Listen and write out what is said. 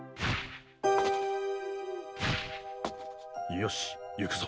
よし行くぞ。